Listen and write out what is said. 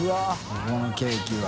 ここのケーキは。